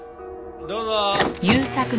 どうぞ。